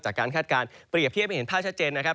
คาดการณ์เปรียบเทียบให้เห็นภาพชัดเจนนะครับ